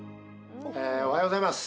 おはようございます。